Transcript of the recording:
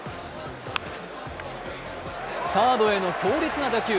サードへの強烈な打球。